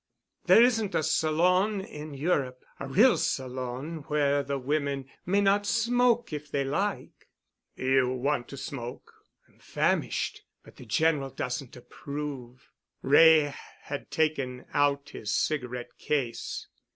There isn't a salon in Europe—a real salon—where the women may not smoke if they like." "You want to smoke——" "I'm famished—but the General doesn't approve——" Wray had taken out his cigarette case.